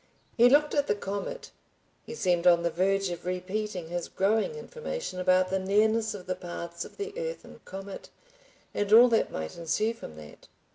He looked at the comet. He seemed on the verge of repeating his growing information about the nearness of the paths of the earth and comet, and all that might ensue from that.